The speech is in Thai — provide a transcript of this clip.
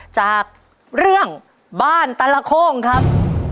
จากเรื่องบ้านตลโค้งครับ